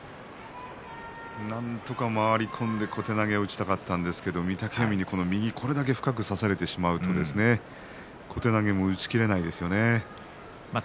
なんとか回り込んで小手投げを打ちたかったんですけども御嶽海、右、これだけ深く差されてしまうと小手投げも打ち切れませんね。